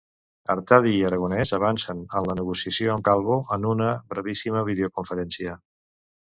Artadi i Aragonès avancen en la negociació amb Calvo en una brevíssima videoconferència.